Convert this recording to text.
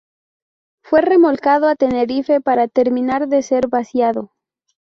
Fue remolcado a Tenerife para terminar de ser vaciado.